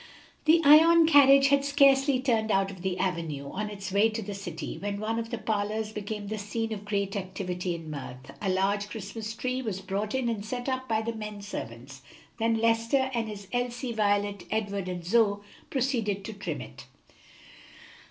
The Ion carriage had scarcely turned out of the avenue, on its way to the city, when one of the parlors became the scene of great activity and mirth. A large Christmas tree was brought in and set up by the men servants; then Lester and his Elsie, Violet, Edward and Zoe proceeded to trim it.